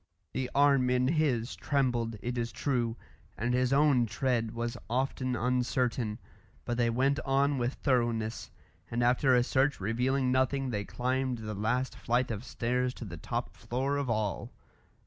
The arm in his trembled, it is true, and his own tread was often uncertain, but they went on with thoroughness, and after a search revealing nothing they climbed the last flight of stairs to the top floor of all.